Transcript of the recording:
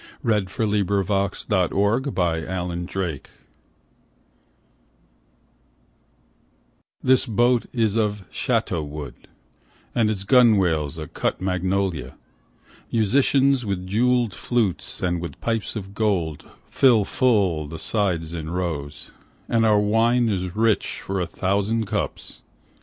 By Mei Sheng. B.C. 140. 77 The River Song THIS boat is of shato wood, and its gunwales are cut magnolia, Musicians with jewelled flutes and with pipes of gold Pill full the sides in rows, and our wine Is rich for a thousand cups.